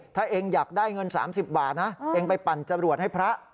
ถ้าเองอยากได้เงิน๓๐บาทนะเองไปปั่นจรวดให้พระ